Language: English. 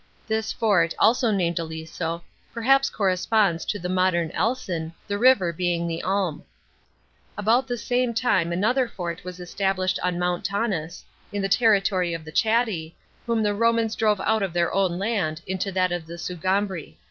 This fort, also named Aliso, perhaps corresponds to the modern Elsen, the river being the Aline. About the same time another fort was established on Mount Taunus, in the territory of the Chatti, whom the Romans drove out of their own land into that of the Sugambri.